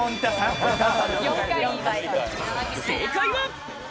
正解は。